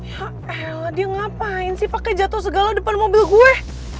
ya elah dia ngapain sih pake jatuh segala depan mobil gue